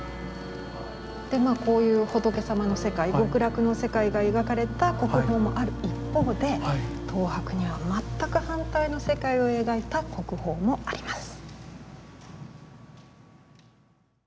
でまあこういう仏様の世界極楽の世界が描かれた国宝もある一方で東博には全く反対の世界を描いた国宝もあります。